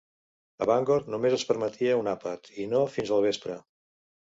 A Bangor només es permetia un àpat, i no fins al vespre.